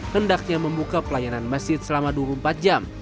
hendaknya membuka pelayanan masjid selama dua puluh empat jam